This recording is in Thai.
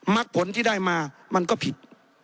ักผลที่ได้มามันก็ผิด